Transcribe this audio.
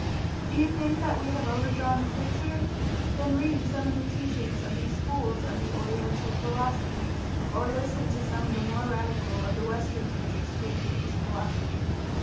Do you think that we have overdrawn the picture? Then read some of the teachings of these schools of the Oriental Philosophy, or listen to some of the more radical of the Western teachers preaching this philosophy.